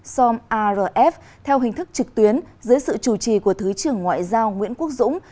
som arf theo hình thức trực tuyến dưới sự chủ trì của thứ trưởng ngoại giao nguyễn quốc dũng